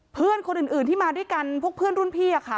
เพื่อนคนอื่นที่มาด้วยกันพวกเพื่อนรุ่นพี่ค่ะ